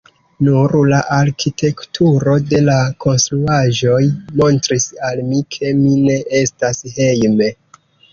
Nur la arkitekturo de la konstruaĵoj montris al mi, ke mi ne estas hejme.